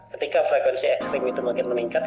ketika frekuensi ekstrim itu makin meningkat